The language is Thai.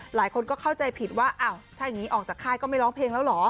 หลายคนก็เข้าใจผิดว่าอ้าวถ้าอย่างนี้ออกจากค่ายก็ไม่ร้องเพลงแล้วเหรอ